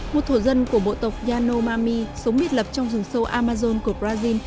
một thổ dân của bộ tộc yanomami sống biệt lập trong rừng sâu amazon của brazil